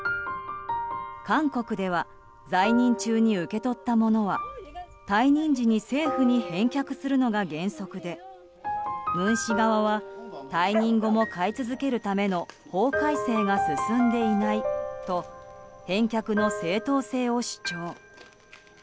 韓国では在任中に受け取ったものは退任時に政府に返却するのが原則で文氏側は退任後も飼い続けるための法改正が進んでいないと返却の正当性を主張。